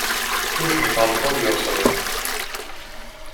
"Cóż mi pan powie o sobie?"